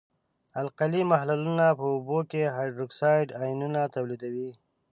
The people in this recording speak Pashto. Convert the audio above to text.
القلي محلولونه په اوبو کې هایدروکساید آیونونه تولیدوي.